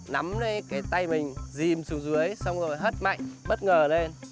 nắm cái tay mình dìm xuống dưới xong rồi hất mạnh bất ngờ lên